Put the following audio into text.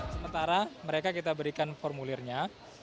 sementara mereka kita berikan formulirnya